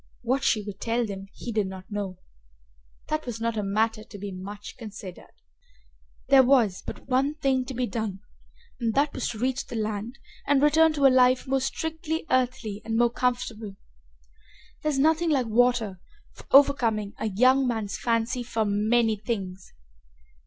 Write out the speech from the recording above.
What she would tell them he did not know. That was not a matter to be much considered. There was but one thing to be done and that was to reach the land and return to a life more strictly earthly and more comfortable. There is nothing like water for overcoming a young man's fancy for many things.